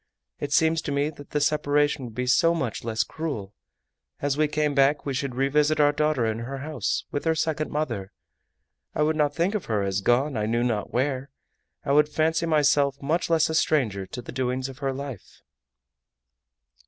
It seems to me that the separation would be so much less cruel! As we came back we should revisit our daughter in her house with her second mother. I would not think of her as gone I knew not where. I would fancy myself much less a stranger to the doings of her life."